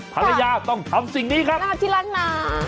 ภรรยาต้องทำสิ่งนี้ครับอาทิลักษณะ